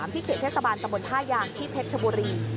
ที่เขตเทศบาลตะบนท่ายางที่เพชรชบุรี